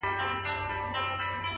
د فکر وضاحت د ژوند ګډوډي کموي؛